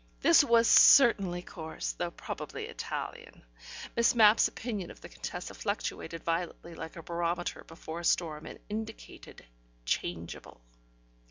This was certainly coarse, though probably Italian. Miss Mapp's opinion of the Contessa fluctuated violently like a barometer before a storm and indicated "Changeable".